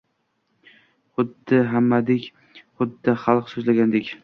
Xuddi hammadek, xuddi xalq so‘zlagandek.